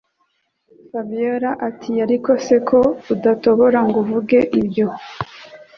Fabiora atiariko se ko udatobora ngo uvuge ibyo